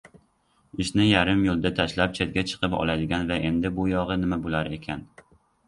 Ishni yarim yoʻlda tashlab, chetga chiqib oladigan va endi bu yogʻi nima boʻlar ekan.